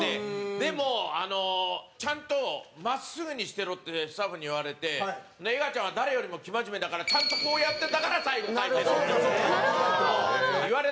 でも「ちゃんと真っすぐにしてろ」ってスタッフに言われてエガちゃんは誰よりも生真面目だからちゃんと、こうやってたから最後、回転した。